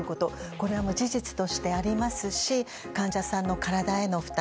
これは事実としてありますし患者さんの体への負担